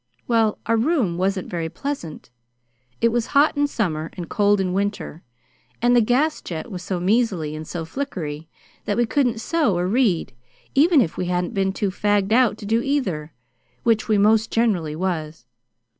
Well, our room wasn't very pleasant. It was hot in summer, and cold in winter, and the gas jet was so measly and so flickery that we couldn't sew or read, even if we hadn't been too fagged out to do either which we 'most generally was.